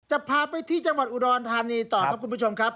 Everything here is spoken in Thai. จะพาไปที่จังหวัดอุดรธานีต่อครับคุณผู้ชมครับ